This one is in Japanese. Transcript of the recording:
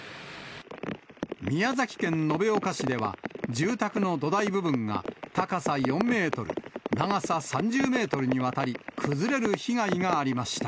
宮崎県延岡市では、住宅の土台部分が高さ４メートル、長さ３０メートルにわたり、崩れる被害がありました。